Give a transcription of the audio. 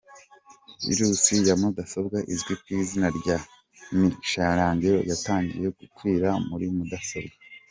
Virusi ya mudasobwa izwi ku izina rya Michelangelo yatangiye gukwira muri mudasobwa.